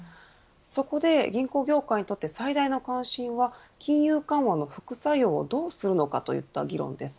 そこで銀行業界にとって最大の関心は金融緩和の副作用をどうするのかといった議論です。